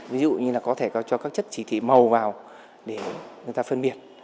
ví dụ như là có thể cho các chất chỉ thị màu vào để người ta phân biệt